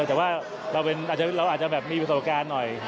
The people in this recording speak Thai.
แต่ว่าเราอาจจะแบบมีประสบการณ์หน่อย